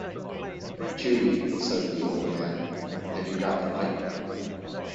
"Judy," says the old man, "have you got the pipe?"